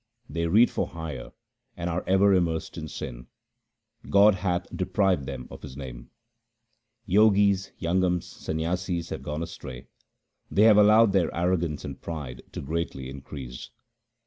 They read for hire and are ever immersed in sin ; God hath deprived them of His name. Jogis, Jangams, Sanyasis have gone astray ; they have allowed their arrogance and pride to greatly increase.